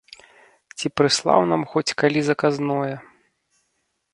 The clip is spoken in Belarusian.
Ці прыслаў нам хоць калі заказное.